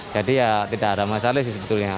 jadi ya tidak ada masalah sih sebetulnya